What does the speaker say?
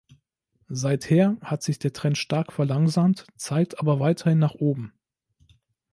Seither hat sich der Trend stark verlangsamt, zeigt aber weiterhin nach oben.